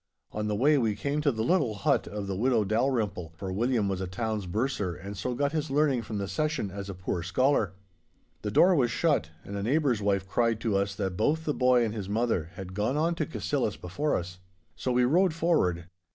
On the way we came to the little hut of the widow Dalrymple, for William was a town's bursar, and so got his learning from the Session as a poor scholar. The door was shut, and a neighbour's wife cried to us that both the boy and his mother had gone on to Cassillis before us. So we rode forward.